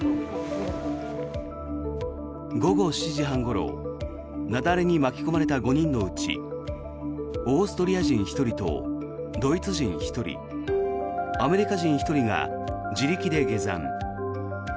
午後７時半ごろ雪崩に巻き込まれた５人のうちオーストリア人１人とドイツ人１人、アメリカ人１人が自力で下山。